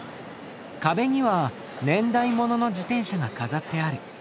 壁には年代物の自転車が飾ってある。